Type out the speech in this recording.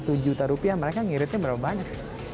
satu juta rupiah mereka ngiritnya berapa banyak